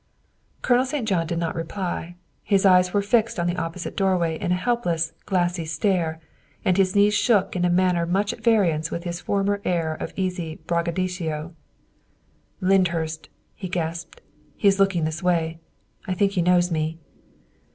Colonel St. John did not reply. His eyes were fixed on the opposite doorway in a helpless, glassy stare, and his knees shook in a manner much at variance with his former air of easy braggadocio. '' Lyndhurst !" he gasped. '' He is looking this way. I think he knows me."